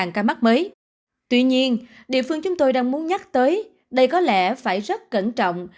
bốn ca mắc mới tuy nhiên địa phương chúng tôi đang muốn nhắc tới đây có lẽ phải rất cẩn trọng